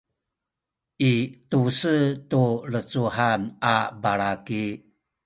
i tu-se tu lecuhen a balaki